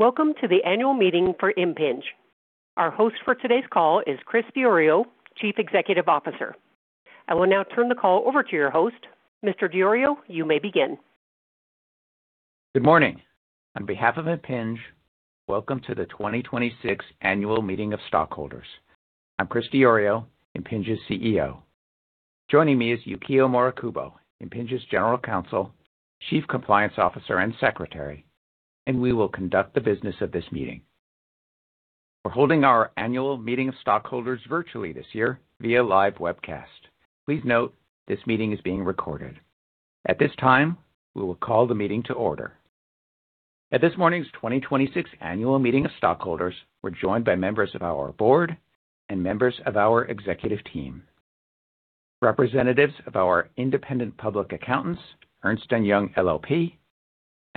Welcome to the annual meeting for Impinj. Our host for today's call is Chris Diorio, Chief Executive Officer. I will now turn the call over to your host. Mr. Diorio, you may begin. Good morning. On behalf of Impinj, welcome to the 2026 Annual Meeting of Stockholders. I'm Chris Diorio, Impinj's CEO. Joining me is Yukio Morikubo, Impinj's General Counsel, Chief Compliance Officer, and Secretary. We will conduct the business of this meeting. We're holding our annual meeting of stockholders virtually this year via live webcast. Please note this meeting is being recorded. At this time, we will call the meeting to order. At this morning's 2026 Annual Meeting of Stockholders, we're joined by members of our board and members of our executive team. Representatives of our independent public accountants, Ernst & Young LLP,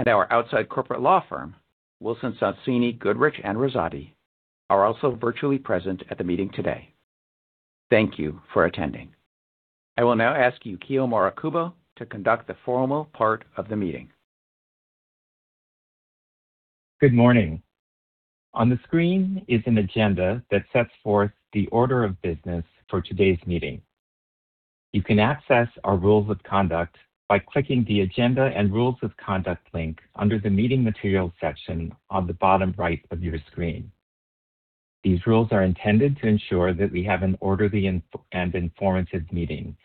and our outside corporate law firm, Wilson Sonsini Goodrich & Rosati, are also virtually present at the meeting today. Thank you for attending. I will now ask Yukio Morikubo to conduct the formal part of the meeting. Good morning. On the screen is an agenda that sets forth the order of business for today's meeting. You can access our rules of conduct by clicking the Agenda and Rules of Conduct link under the Meeting Materials section on the bottom right of your screen. These rules are intended to ensure that we have an orderly and informative meeting.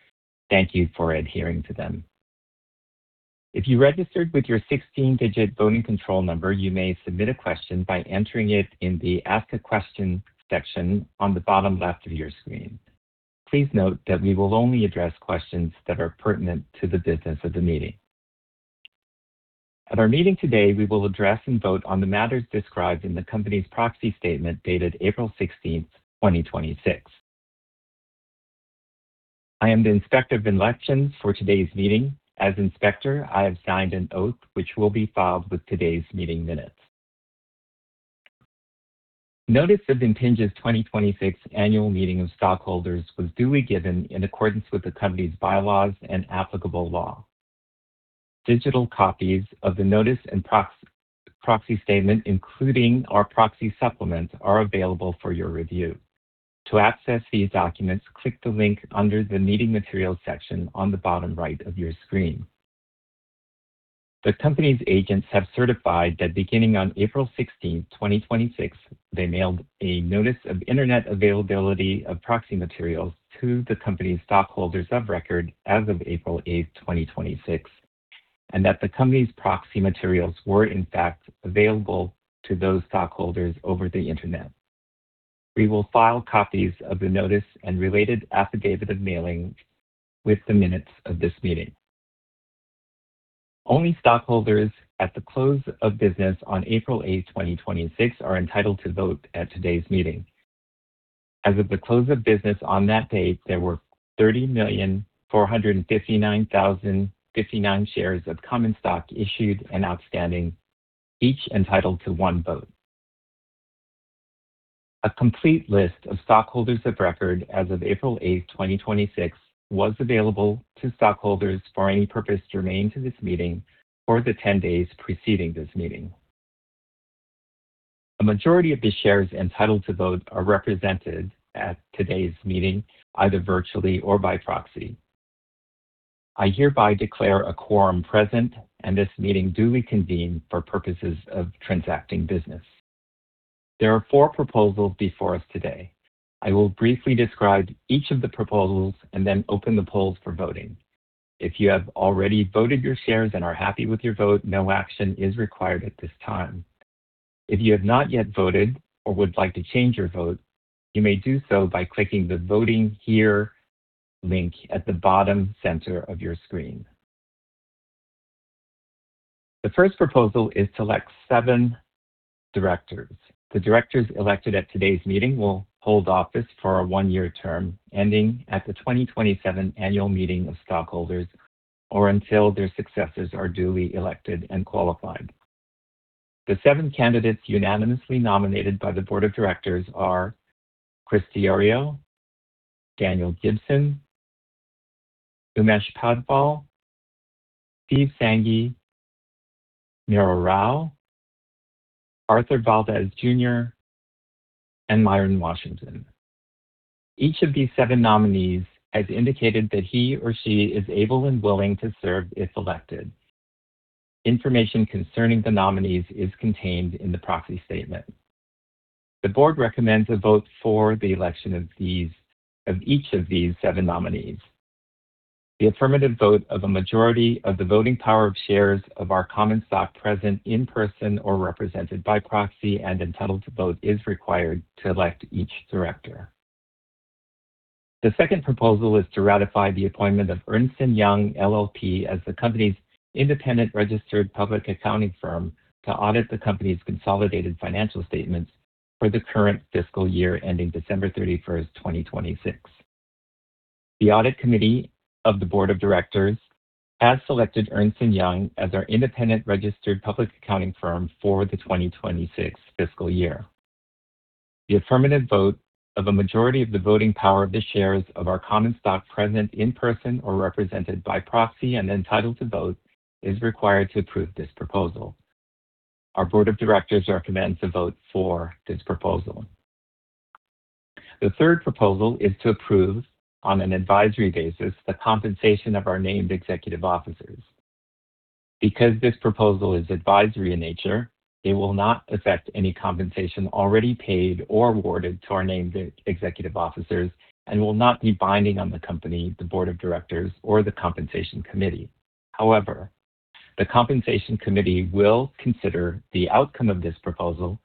Thank you for adhering to them. If you registered with your 16-digit voting control number, you may submit a question by entering it in the Ask a Question section on the bottom left of your screen. Please note that we will only address questions that are pertinent to the business of the meeting. At our meeting today, we will address and vote on the matters described in the company's proxy statement dated April 16th, 2026. I am the inspector of elections for today's meeting. As inspector, I have signed an oath which will be filed with today's meeting minutes. Notice of Impinj's 2026 annual meeting of stockholders was duly given in accordance with the company's bylaws and applicable law. Digital copies of the notice and proxy statement, including our proxy supplement, are available for your review. To access these documents, click the link under the Meeting Materials Section on the bottom right of your screen. The company's agents have certified that beginning on April 16, 2026, they mailed a Notice of Internet Availability of Proxy Materials to the company's stockholders of record as of April 8, 2026, and that the company's proxy materials were in fact available to those stockholders over the Internet. We will file copies of the notice and related affidavit of mailing with the minutes of this meeting. Only stockholders at the close of business on April 8, 2026 are entitled to vote at today's meeting. As of the close of business on that date, there were 30,459,059 shares of common stock issued and outstanding, each entitled to one vote. A complete list of stockholders of record as of April 8, 2026, was available to stockholders for any purpose germane to this meeting for the 10 days preceding this meeting. A majority of the shares entitled to vote are represented at today's meeting, either virtually or by proxy. I hereby declare a quorum present and this meeting duly convened for purposes of transacting business. There are four proposals before us today. I will briefly describe each of the proposals and then open the polls for voting. If you have already voted your shares and are happy with your vote, no action is required at this time. If you have not yet voted or would like to change your vote, you may do so by clicking the Voting Here link at the bottom center of your screen. The first proposal is to elect seven directors. The directors elected at today's meeting will hold office for a one-year term ending at the 2027 annual meeting of stockholders or until their successors are duly elected and qualified. The seven candidates unanimously nominated by the board of directors are Chris Diorio, Daniel Gibson, Umesh Padval, Steve Sanghi, Meera Rao, Arthur L. Valdez, Jr., and Miron Washington. Each of these seven nominees has indicated that he or she is able and willing to serve if elected. Information concerning the nominees is contained in the proxy statement. The board recommends a vote for the election of each of these seven nominees. The affirmative vote of a majority of the voting power of shares of our common stock present in person or represented by proxy and entitled to vote is required to elect each director. The second proposal is to ratify the appointment of Ernst & Young LLP as the company's independent registered public accounting firm to audit the company's consolidated financial statements for the current fiscal year ending December 31st, 2026. The audit committee of the Board of Directors has selected Ernst & Young as our independent registered public accounting firm for the 2026 fiscal year. The affirmative vote of a majority of the voting power of the shares of our common stock present in person or represented by proxy and entitled to vote is required to approve this proposal. Our Board of Directors recommends a vote for this proposal. The third proposal is to approve, on an advisory basis, the compensation of our named executive officers. Because this proposal is advisory in nature, it will not affect any compensation already paid or awarded to our named executive officers and will not be binding on the company, the Board of Directors, or the Compensation Committee. However, the Compensation Committee will consider the outcome of this proposal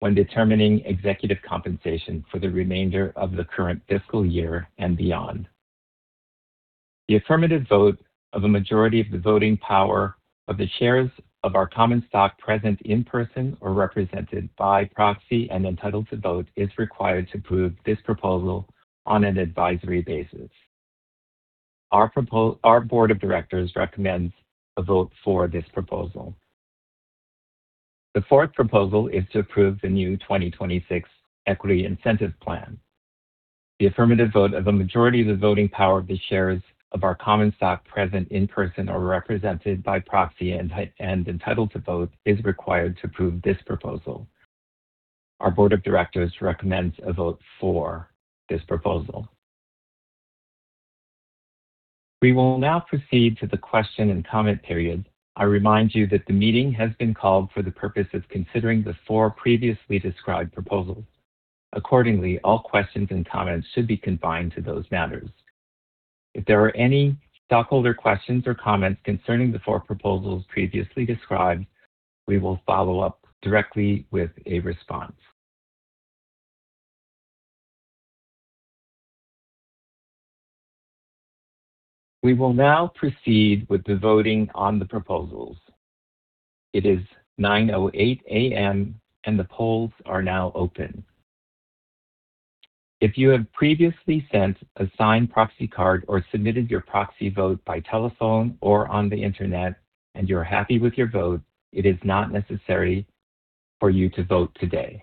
when determining executive compensation for the remainder of the current fiscal year and beyond. The affirmative vote of a majority of the voting power of the shares of our common stock present in person or represented by proxy and entitled to vote is required to approve this proposal on an advisory basis. Our Board of Directors recommends a vote for this proposal. The fourth proposal is to approve the new 2026 Equity Incentive Plan. The affirmative vote of a majority of the voting power of the shares of our common stock present in person or represented by proxy and entitled to vote is required to approve this proposal. Our board of directors recommends a vote for this proposal. We will now proceed to the question and comment period. I remind you that the meeting has been called for the purpose of considering the four previously described proposals. Accordingly, all questions and comments should be confined to those matters. If there are any stockholder questions or comments concerning the four proposals previously described, we will follow up directly with a response. We will now proceed with the voting on the proposals. It is 9:08 A.M., and the polls are now open. If you have previously sent a signed proxy card or submitted your proxy vote by telephone or on the Internet and you're happy with your vote, it is not necessary for you to vote today.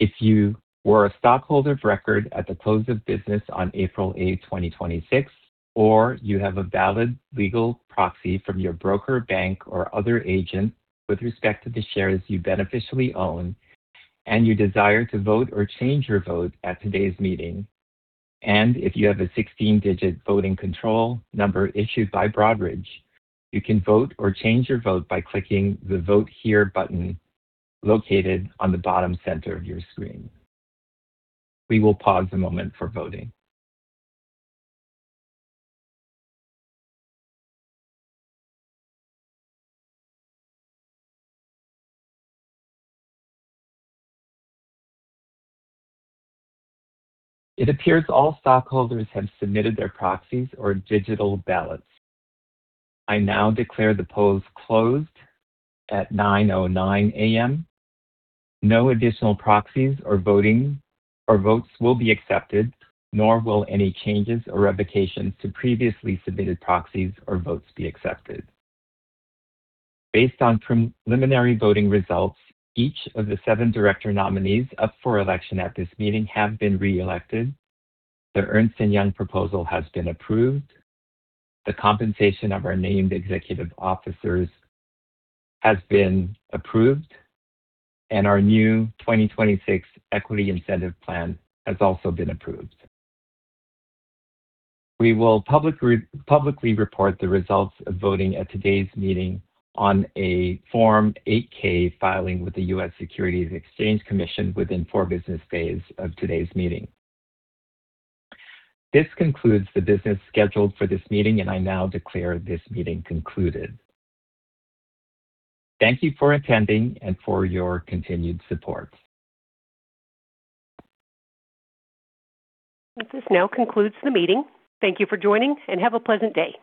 If you were a stockholder of record at the close of business on April 8, 2026, or you have a valid legal proxy from your broker, bank, or other agent with respect to the shares you beneficially own, and you desire to vote or change your vote at today's meeting, and if you have a 16-digit voting control number issued by Broadridge, you can vote or change your vote by clicking the Vote Here button located on the bottom center of your screen. We will pause a moment for voting. It appears all stockholders have submitted their proxies or digital ballots. I now declare the polls closed at 9:09 A.M. No additional proxies or votes will be accepted, nor will any changes or revocations to previously submitted proxies or votes be accepted. Based on preliminary voting results, each of the seven director nominees up for election at this meeting have been reelected. The Ernst & Young proposal has been approved. The compensation of our named executive officers has been approved, and our new 2026 Equity Incentive Plan has also been approved. We will publicly report the results of voting at today's meeting on a Form 8-K filing with the U.S. Securities and Exchange Commission within four business days of today's meeting. This concludes the business scheduled for this meeting, and I now declare this meeting concluded. Thank you for attending and for your continued support. This now concludes the meeting. Thank you for joining, and have a pleasant day.